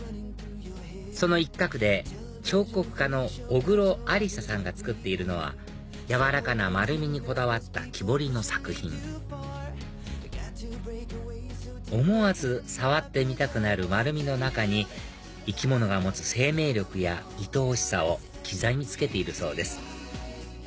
その一角で彫刻家の小黒アリサさんが作っているのはやわらかな丸みにこだわった木彫りの作品思わず触ってみたくなる丸みの中に生き物が持つ生命力やいとおしさを刻みつけているそうです